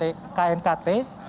ini akan diserahkan ke pihak knkt